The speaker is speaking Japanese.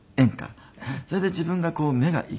それで自分がこう目が行くところ。